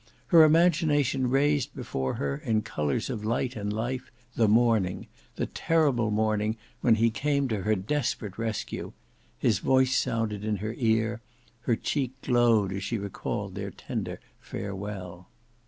Her imagination raised before her in colours of light and life the morning, the terrible morning when he came to her desperate rescue; his voice sounded in her ear; her cheek glowed as she recalled their tender farewell.